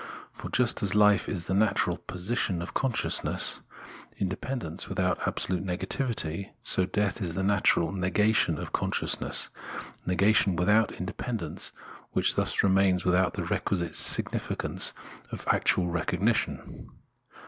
For just as Ufe is the natural " position " of conscious ness, independence without absolute negativity, so death is the natural " negation " of consciousness, negation without independence, which thus remains without the requisite significance of actual recog nition.